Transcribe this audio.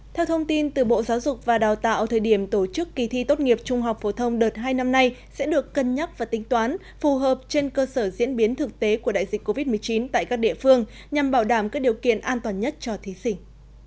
theo thông tin từ bộ giáo dục và đào tạo thời điểm tổ chức kỳ thi tốt nghiệp trung học phổ thông đợt hai năm nay sẽ được cân nhắc và tính toán phù hợp trên cơ sở diễn biến thực tế của đại dịch covid một mươi chín tại các địa phương nhằm bảo đảm các điều kiện an toàn nhất cho thí sinh